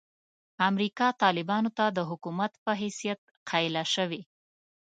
امریکا طالبانو ته د حکومت په حیثیت قایله شوې.